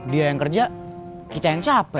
dia yang kerja kita yang capek